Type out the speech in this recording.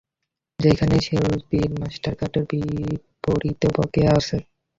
যেখানে শেলবির মাস্টারকার্ডের বিপরীতে বকেয়া আছে।